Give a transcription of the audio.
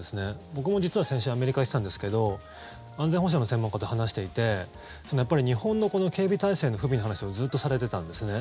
僕も実は先週アメリカに行ってたんですけど安全保障の専門家と話していて日本の警備態勢の不備の話をずっとされてたんですね。